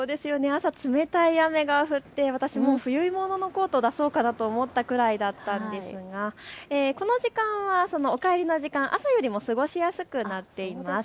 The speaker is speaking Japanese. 朝冷たい雨が降って私も冬物のコート出そうかなと思ったくらいなんですがこの時間、お帰りの時間、朝よりも過ごしやすくなっています。